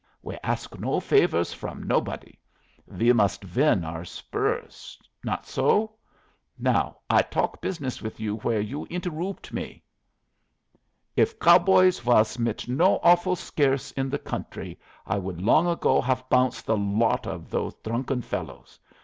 We ask no favors from nobody; we must win our spurs! Not so? Now I talk business with you where you interroopt me. If cow boys was not so offle scarce in the country, I would long ago haf bounce the lot of those drunken fellows.